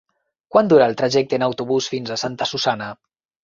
Quant dura el trajecte en autobús fins a Santa Susanna?